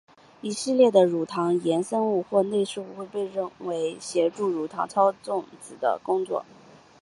一系列的乳糖衍生物或类似物被认为协助乳糖操纵子的工作。